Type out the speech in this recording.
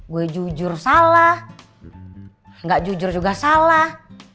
gue jujur salah nggak jujur juga salah